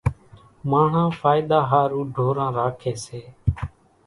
ماڻۿان ڦائۮا ۿارُو ڍوران راکيَ سي۔